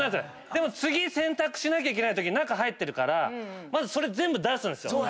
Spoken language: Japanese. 次洗濯しなきゃいけないとき中入ってるからまずそれ全部出すんすよ。